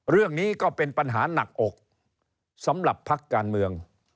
เรื่องนี้ก็เป็นปัญหาหนักอกสำหรับพักการเมือง